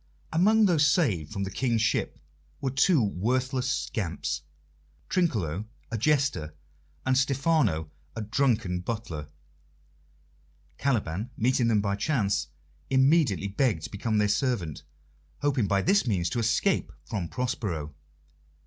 Among those saved from the King's ship were two worthless scamps Trinculo, a jester, and Stephano, a drunken butler. Caliban, meeting them by chance, immediately begged to become their servant, hoping by this means to escape from Prospero.